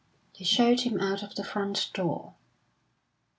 They showed him out of the front door.